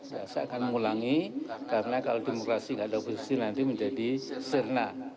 saya akan mengulangi karena kalau demokrasi tidak ada oposisi nanti menjadi serna